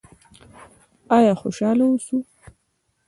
آیا خوشحاله اوسو؟